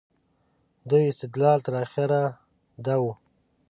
دوی استدلال تر اخره دا و.